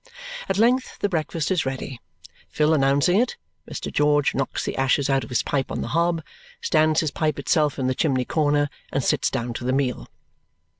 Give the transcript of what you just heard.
At length the breakfast is ready. Phil announcing it, Mr. George knocks the ashes out of his pipe on the hob, stands his pipe itself in the chimney corner, and sits down to the meal.